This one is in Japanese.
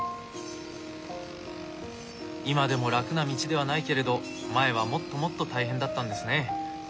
今でも楽な道ではないけれど前はもっともっと大変だったんですね。